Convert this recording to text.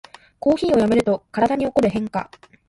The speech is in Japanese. コーヒーをやめると体に起こる変化